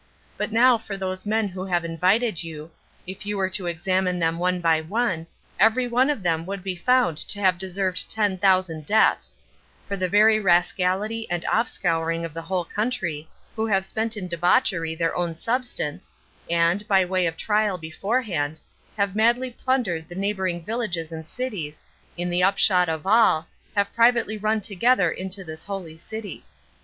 But now for these men who have invited you, if you were to examine them one by one, every one of them would be found to have deserved ten thousand deaths; for the very rascality and offscouring of the whole country, who have spent in debauchery their own substance, and, by way of trial beforehand, have madly plundered the neighboring villages and cities, in the upshot of all, have privately run together into this holy city.